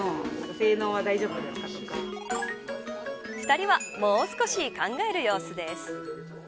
２人はもう少し考える様子です。